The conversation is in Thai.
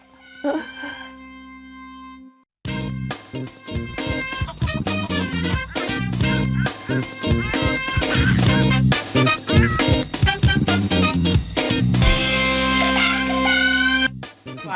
พี่วิโอเคโอเค